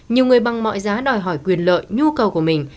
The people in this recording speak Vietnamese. nhiều người bằng mọi giá đòi hỏi quyền lợi nhu cầu của mình